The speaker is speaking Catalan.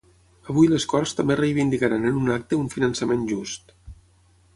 Avui les corts també reivindicaran en un acte un finançament just.